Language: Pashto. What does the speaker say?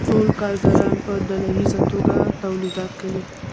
ټول کارګران په ډله ییزه توګه تولیدات کوي